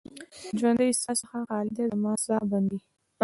د ژوندۍ ساه څخه خالي ده، زما ساه بندیږې